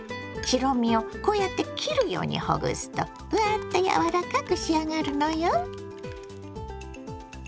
白身をこうやって切るようにほぐすとふわっとやわらかく仕上がるのよ。